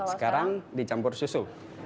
sekarang dicampur susu